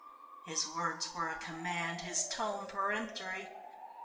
His words were a command, his tone peremptory.